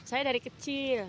saya dari kecil